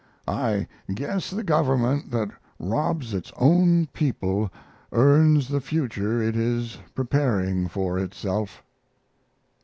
I guess the government that robs its own people earns the future it is preparing for itself.